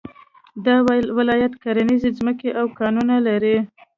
دا ولايت کرنيزې ځمکې او کانونه لري